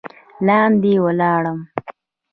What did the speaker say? لاندې ولاړم.